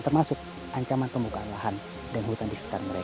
termasuk ancaman kemukaan lahan dan hutan di sekitar mereka